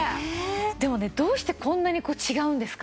でもねどうしてこんなに違うんですか？